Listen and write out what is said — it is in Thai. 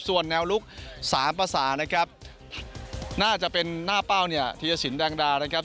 ส่วนแนวลุกสามประสานะครับน่าจะเป็นหน้าเป้าธีรศิลป์ดังดาลนะครับ